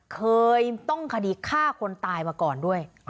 เคยต้องคดีฆ่าคนตายมาก่อนด้วย